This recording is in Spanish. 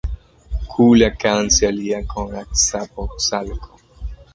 Culhuacán se alía con Azcapotzalco.